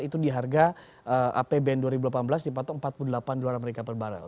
itu di harga apbn dua ribu delapan belas dipatok empat puluh delapan dolar amerika per barrel